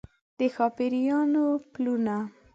د ښاپیریو پلونه